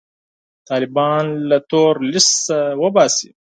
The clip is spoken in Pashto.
طالبان له تور لیست څخه وباسي.